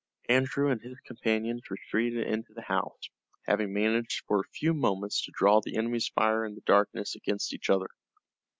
Andrew and his companions retreated into the house, having managed for a few moments to draw the enemy's fire in the darkness against each other.